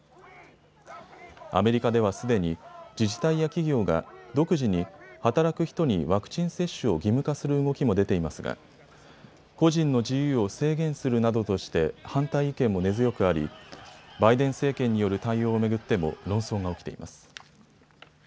アメリカではすでに自治体や企業が独自に働く人にワクチン接種を義務化する動きも出ていますが個人の自由を制限するなどとして反対意見も根強くありバイデン政権による対応を巡っても論争が起きています。